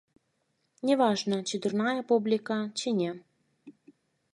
Не важна, ці дурная публіка, ці не.